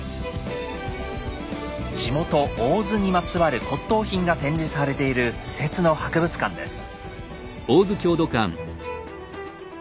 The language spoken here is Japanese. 地元大洲にまつわる骨董品が展示されている私設の博物館です。